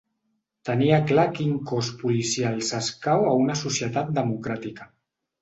Tenia clar quin cos policial s’escau a una societat democràtica.